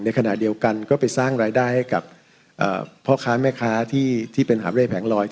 ในขณะเดียวกันก็ไปสร้างรายได้ให้กับเอ่อ